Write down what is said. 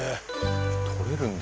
とれるんだ。